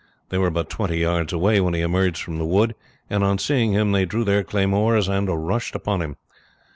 They were but twenty yards away when he emerged from the wood, and on seeing him they drew their claymores and rushed upon him.